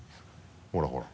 ほらほら。